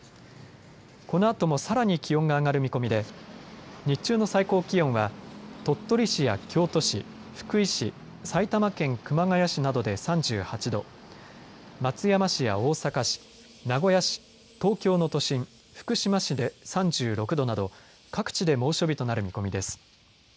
このあともさらに気温が上がる見込みで日中の最高気温は鳥取市や京都市、福井市、埼玉県熊谷市などで３８度、松山市や大阪市、名古屋市、東京の都心、福島市で３６度など各地で猛暑日となる見込みです。